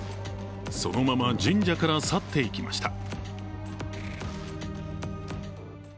そのまま神社から去っていきました。